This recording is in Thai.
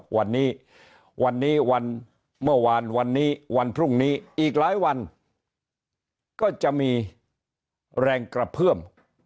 วันนี้วันนี้วันเมื่อวานวันนี้วันพรุ่งนี้อีกหลายวันก็จะมีแรงกระเพื่อม